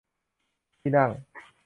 ที่นั่ง